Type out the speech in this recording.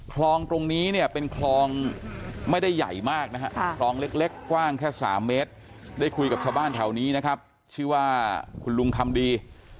คลองตรงนี้เนี่ยเป็นคลองไม่ได้ใหญ่มากนะฮะคลองเล็กกว้างแค่๓เมตรได้คุยกับชาวบ้านแถวนี้นะครับชื่อว่าคุณลุงคำดี